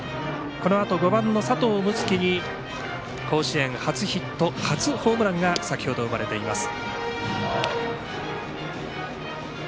このあと５番の佐藤夢樹に甲子園初ヒット、初ホームランが先ほど生まれています。